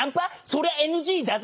そりゃＮＧだぜって話」